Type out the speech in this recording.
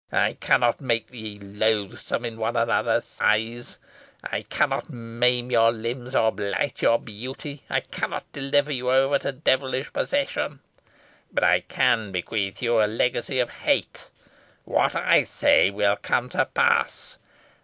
I cannot make ye loathsome in one another's eyes. I cannot maim your limbs, or blight your beauty. I cannot deliver you over to devilish possession. But I can bequeath you a legacy of hate. What I say will come to pass.